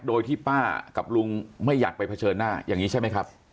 โดยที่ป้ากับลุงไม่อยากไปเผชิญหน้าอย่างนี้ใช่ไหมครับ